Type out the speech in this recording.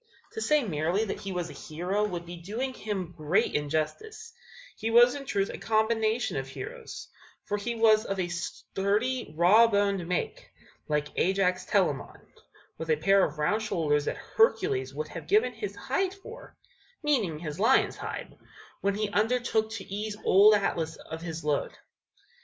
To say merely that he was a hero would be doing him great injustice; he was in truth a combination of heroes; for he was of a sturdy, raw boned make, like Ajax Telamon, with a pair of round shoulders that Hercules would have given his hide for (meaning his lion's hide) when he undertook to ease old Atlas of his load.